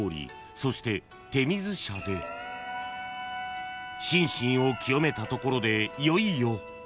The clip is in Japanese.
そして手水舎で心身を清めたところでいよいよ］